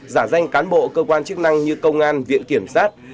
giả danh cán bộ cơ quan chức năng như công an viện kiểm sát